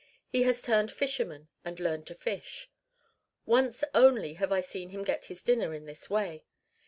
He has turned fisherman and learned to fish. Once only have I seen him get his dinner in this way.